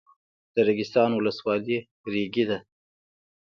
د ریګستان ولسوالۍ ریګي ده